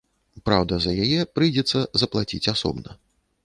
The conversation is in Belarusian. Праўда, за яе прыйдзецца заплаціць асобна.